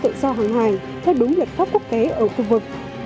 tự do hàng hải theo đúng luật pháp quốc tế ở khu vực